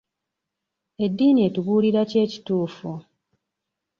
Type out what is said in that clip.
Eddiini etubuulira ki ekituufu.